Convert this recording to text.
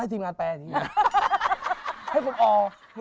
ให้คุณออคุณออแปลอีกที